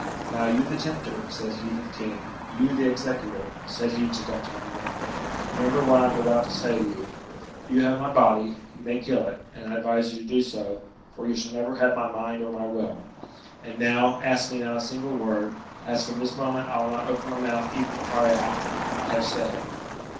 Now, you the tempter," said he to the king; "you the executor," said he to D'Artagnan; "remember what I am about to say to you: you have my body, you may kill it, and I advise you to do so, for you shall never have my mind or my will. And now, ask me not a single word, as from this moment I will not open my mouth even to cry out. I have said."